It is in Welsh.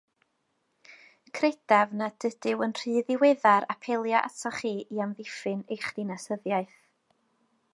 Credaf nad ydyw yn rhy ddiweddar apelio atoch chi i amddiffyn eich dinasyddiaeth.